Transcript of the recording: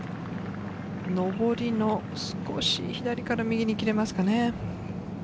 上りの少し左から右に切れますかね。